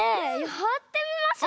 やってみましょう。